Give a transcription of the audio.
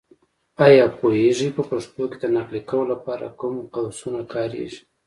ایا پوهېږې؟ په پښتو کې د نقل قول لپاره کوم قوسونه کارېږي.